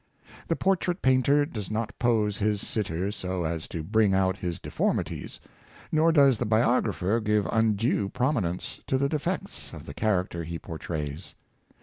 The portrait painter does not pose his sitter so as to bring out his deformities; nor does the biographer give undue prominence to the defects of the character he portrays.